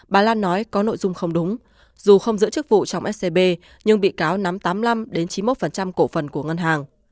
bà lan nói có nội dung không đúng dù không giữ chức vụ trong scb nhưng bị cáo nắm tám mươi năm chín mươi một cổ phần của ngân hàng